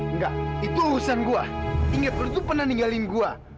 enggak itu urusan gue inget lu itu pernah ninggalin gue